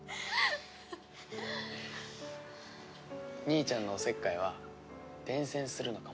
兄ちゃんのおせっかいは伝染するのかもな。